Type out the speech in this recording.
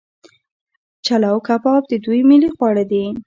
چلو کباب د دوی ملي خواړه دي.